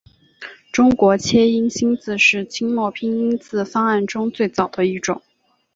中国切音新字是清末拼音字方案中最早的一种。